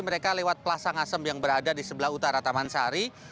mereka lewat pelasan asem yang berada di sebelah utara taman sari